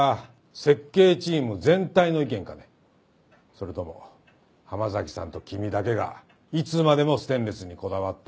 それとも浜崎さんと君だけがいつまでもステンレスにこだわって。